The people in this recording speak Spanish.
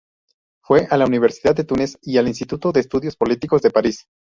Fue a la Universidad de Túnez y al Instituto de Estudios Políticos de París.